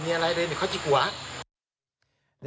เดี๋ยวก็คุยกับคนกว่า